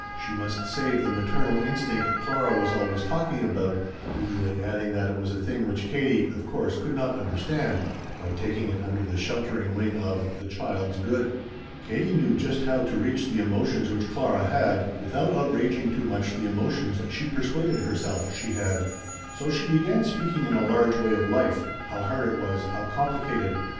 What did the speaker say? She must save the "maternal instinct" Clara was always talking about usually adding that it was a thing which Katie, of course, could not understand by taking it under the sheltering wing of the "child's good." Katie knew just how to reach the emotions which Clara had, without outraging too much the emotions she persuaded herself she had. So she began speaking in a large way of life, how hard it was, how complicated.